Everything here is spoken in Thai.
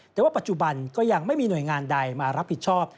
แต่ว่าปัจจุบันก็ยังไม่มีหน่วยงานใดมารับผิดชอบ